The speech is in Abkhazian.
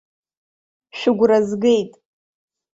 Шәыгәра згеит!